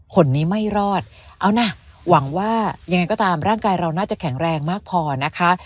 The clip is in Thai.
คนนี้ไม่รอดเอานะหวังว่ายังไงก็ตามร่างกายเราน่าจะแข็งแรงมากพอนะคะ